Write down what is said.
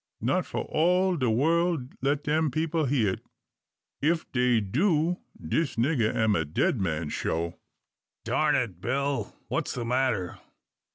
Not fo' all de worl let dem people hear it. Ef dey do, dis nigger am a dead man, shoo." "Darn it, Bill; what's the matter?